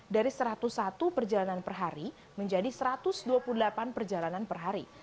dari satu ratus satu perjalanan per hari menjadi satu ratus dua puluh delapan perjalanan per hari